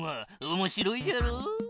おもしろいじゃろう？